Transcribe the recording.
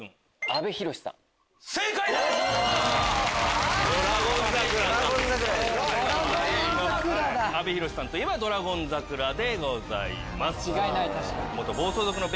阿部寛さんといえば『ドラゴン桜』です。